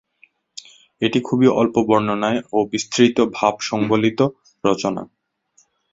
এটি খুবই অল্প বর্ণনায় ও বিস্তৃত ভাব সংবলিত রচনা।